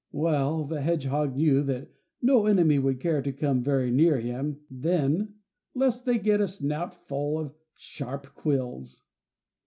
Well the hedgehog knew that no enemy would care to come very near him then, lest they get a snout full of sharp quills.